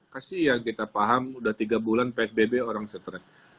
kasih ya kita paham udah tiga bulan psbb orang stres